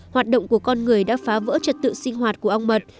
hoạt động của con người đã phá vỡ trật tự sinh hoạt của ong mật